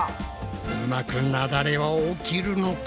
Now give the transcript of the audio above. うまくなだれは起きるのか？